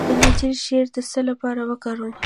د زنجبیل شیره د څه لپاره وکاروم؟